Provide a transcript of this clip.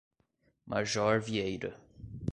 Major Vieira